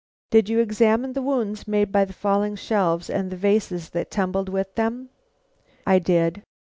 "Did you examine the wounds made by the falling shelves and the vases that tumbled with them?" "I did."